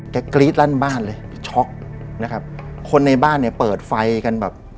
กรี๊ดลั่นบ้านเลยช็อกนะครับคนในบ้านเนี่ยเปิดไฟกันแบบ